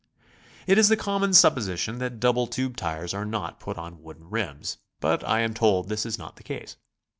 It is the common supposition that double tube tires are not put on wooden rims, but I am told this is not the case.